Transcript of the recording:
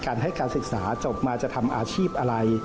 ให้การศึกษาจบมาจะทำอาชีพอะไร